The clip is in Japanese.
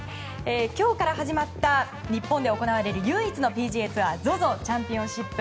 今日から始まった、日本で行われる唯一のＰＧＡツアーＺＯＺＯチャンピオンシップ。